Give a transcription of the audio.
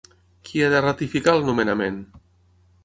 Qui ha de ratificar el nomenament?